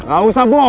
nggak usah bohong